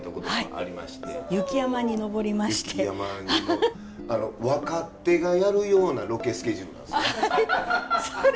あの若手がやるようなロケスケジュールなんですね。